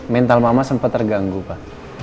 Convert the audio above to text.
mental mama sempat terganggu pak